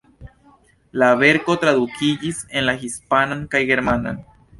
La verko tradukiĝis en la hispanan kaj germanan.